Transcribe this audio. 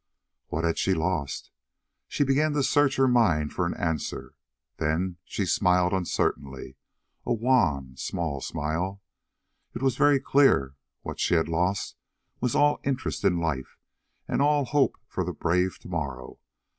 What had she lost? She began to search her mind for an answer. Then she smiled uncertainly, a wan, small smile. It was very clear; what she had lost was all interest in life and all hope for the brave tomorrow.